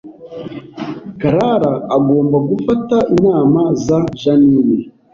Karara agomba gufata inama za Jeaninne